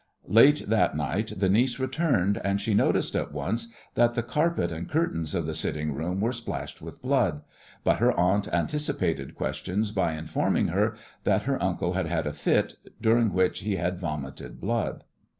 Late that night the niece returned, and she noticed at once that the carpet and curtains of the sitting room were splashed with blood, but her aunt anticipated questions by informing her that her uncle had had a fit, during which he had vomited blood.